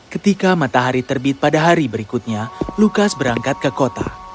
ketika matahari terbit pada hari berikutnya lukas berangkat ke kota